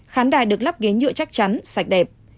khán đài được lắp ghế nhựa chắc chắn sạch đẹp